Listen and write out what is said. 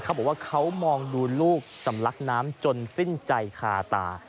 เขาบอกว่าเขามองดูลูกสำลักน้ำจนสิ้นใจคาตา